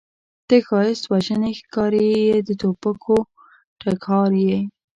ته ښایست وژنې ښکارې یې د توپکو ټکهار یې